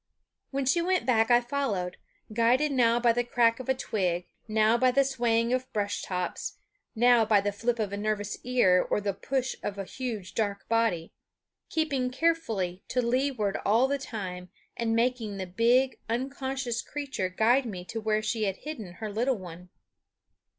When she went back I followed, guided now by the crack of a twig, now by a swaying of brush tops, now by the flip of a nervous ear or the push of a huge dark body, keeping carefully to leeward all the time and making the big, unconscious creature guide me to where she had hidden her little one.